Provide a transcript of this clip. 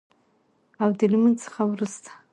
او د لمونځ څخه وروسته